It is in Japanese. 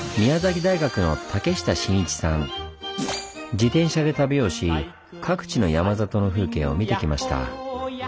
自転車で旅をし各地の山里の風景を見てきました。